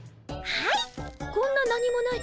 はい！